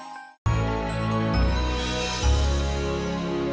terima kasih ya mus